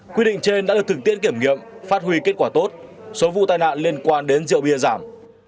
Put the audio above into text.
quy định trên đã được thực tiễn kiểm nghiệm phát huy kết quả tốt số vụ tai nạn liên quan đến rượu bia giảm